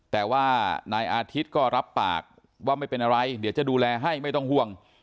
แต่ว่านายอาทิตย์ก็รับปากว่าไม่เป็นอะไรเดี๋ยวจะดูแลให้ไม่ต้องห่วง